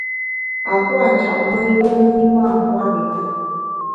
A puâ’ njap mbe yùe i mâ nkwer i na.